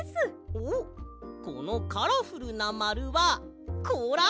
おっこのカラフルなまるはこうら？